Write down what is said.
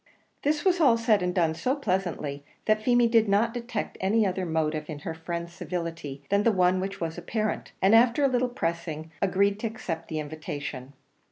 This was all said and done so pleasantly, that Feemy did not detect any other motive in her friend's civility than the one which was apparent, and after a little pressing, agreed to accept the invitation.